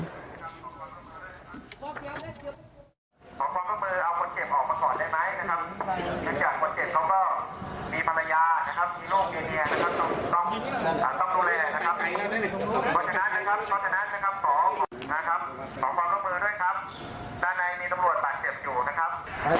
ด้านในมีตำรวจตัดเจ็บอยู่นะครับ